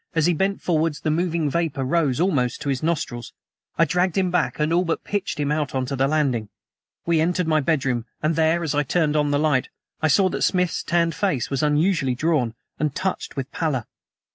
As he bent forward the moving vapor rose almost to his nostrils. I dragged him back and all but pitched him out on to the landing. We entered my bedroom, and there, as I turned on the light, I saw that Smith's tanned face was unusually drawn, and touched with pallor.